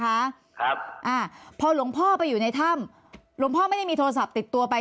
ครับอ่าพอหลวงพ่อไปอยู่ในถ้ำหลวงพ่อไม่ได้มีโทรศัพท์ติดตัวไป